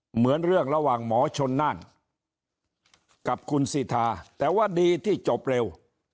เหมือนเรื่องระหว่างหมอชนน่านกับคุณสิทาแต่ว่าดีที่จบเร็ว